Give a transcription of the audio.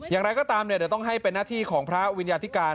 อย่างไรก็ตามเดี๋ยวต้องให้เป็นหน้าที่ของพระวิญญาธิการ